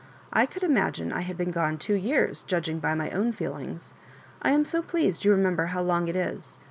*^I could imagine I had been gone two years, judging by my own feelings. I am so pleased you remember how long it is.